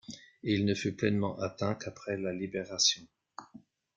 Il ne fut pleinement atteint qu'après la Libération.